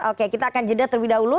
oke kita akan jeda terlebih dahulu